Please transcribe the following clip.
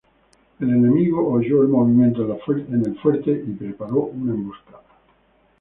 El enemigo oyó el movimiento en el fuerte y preparó una emboscada.